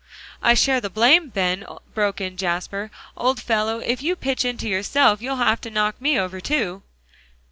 "I share the blame, Ben," broke in Jasper, "old fellow, if you pitch into yourself, you'll have to knock me over too."